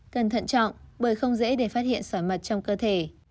cẩn thận chọn bởi không dễ để phát hiện sỏi mật trong cơ thể